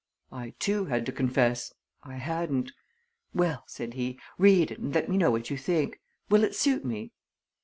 I, too, had to confess I hadn't. 'Well,' said he, 'read it and let me know what you think will it suit me?'